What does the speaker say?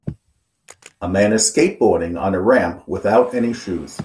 A man is skateboarding on a ramp without any shoes.